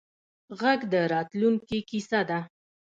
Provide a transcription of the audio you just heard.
غږ د راتلونکې کیسه ده